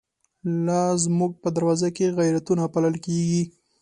لازموږ په دروازوکی، غیرتونه پالل کیږی